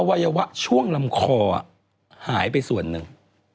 วัยวะช่วงลำคอหายไปส่วนหนึ่ง